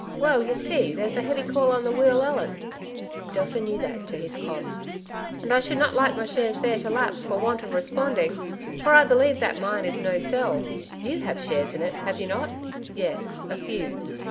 ''Well, you see there's a heavy call on the 'Wheal Ellen '" (Delta knew that to his cost), " and I should not like my shares there to lapse for want of responding; for I believe that mine is no ' sell.' You have shares in it, have you not ?"" Yes, a few."